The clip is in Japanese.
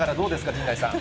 陣内さん。